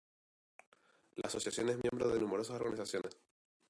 La asociación es miembro de numerosas organizaciones.